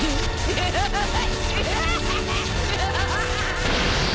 アハハハ！